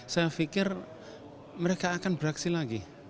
saya pikir mereka akan beraksi lagi